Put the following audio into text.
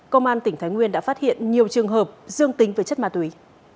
công an tỉnh thái nguyên đã phát hiện nhiều trường hợp dương tính với chất ma túy